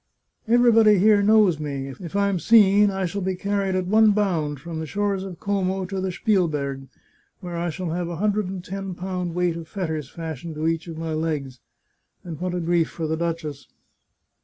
" Everybody here knows me. If I am seen, I shall be carried at one bound from the shores of Como to the Spielberg, where I shall have a hundred and ten pound weight of fetters fastened to each of my legs. And what a grief for the duchess